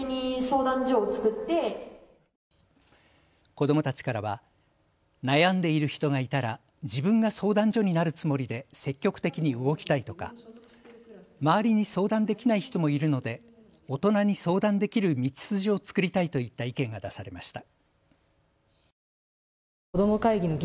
子どもたちからは悩んでいる人がいたら自分が相談所になるつもりで積極的に動きたいとか周りに相談できない人もいるので大人に相談できる道筋を作りたいといった意見が出されました。